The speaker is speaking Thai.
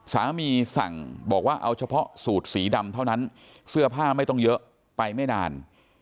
สั่งบอกว่าเอาเฉพาะสูตรสีดำเท่านั้นเสื้อผ้าไม่ต้องเยอะไปไม่นาน